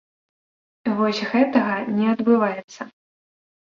Вось гэтага не адбываецца.